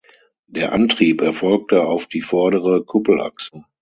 Der Antrieb erfolgte auf die vordere Kuppelachse.